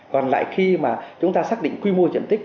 còn lại khi mà chúng ta xác định quy mô diện tích